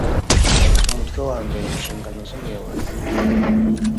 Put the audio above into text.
umutwe wa mbere inshingano zumuyobozi